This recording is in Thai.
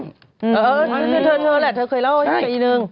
เธอแหละเธอเคยเล่าอย่างนี้กับอีนึง